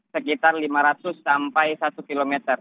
sekitar lima ratus sampai satu km